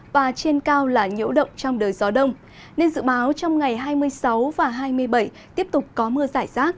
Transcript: và trên cao là nhiễu động trong đời gió đông nên dự báo trong ngày hai mươi sáu và hai mươi bảy tiếp tục có mưa giải rác